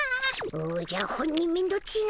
おじゃほんにめんどっちいの。